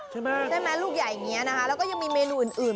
ใช่ไหมใช่ไหมลูกใหญ่อย่างนี้นะคะแล้วก็ยังมีเมนูอื่น